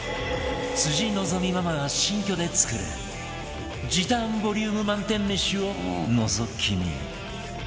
辻希美ママが新居で作る時短ボリューム満点めしをのぞき見